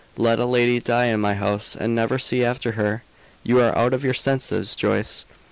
Let a lady die in my house, and never see after her! You are out of your senses, Joyce.